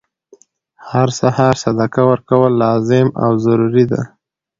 هر سهار صدقه ورکول لازم او ضروري ده،